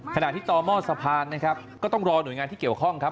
ขณะที่ต่อหม้อสะพานนะครับก็ต้องรอหน่วยงานที่เกี่ยวข้องครับ